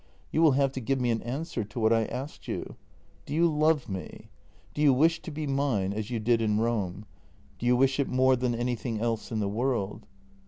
You will have to give me an answer to what I asked you. Do you love me ? Do you wish to be mine — as you did in Rome ? Do you wish it more than anything else in the world